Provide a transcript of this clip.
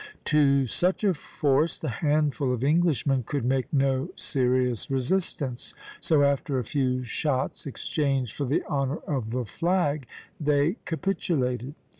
To such a force the handful of Englishmen could make no serious resistance; so after a few shots, exchanged for the honor of the flag, they capitulated.